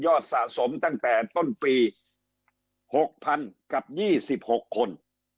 สะสมตั้งแต่ต้นปี๖๐๐๐กับ๒๖คน